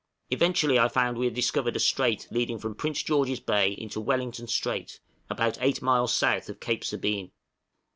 Eventually I found we had discovered a strait leading from Prince George's Bay into Wellington Strait, about 8 miles south of Cape Sabine.